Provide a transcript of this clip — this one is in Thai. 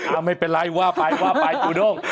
อาร์มไม่เป็นไรว่าไปดูตรง